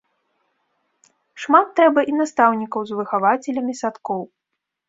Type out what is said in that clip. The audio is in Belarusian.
Шмат трэба і настаўнікаў з выхавацелямі садкоў.